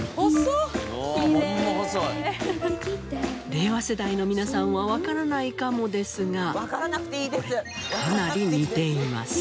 令和世代の皆さんはわからないかもですがかなり似ています！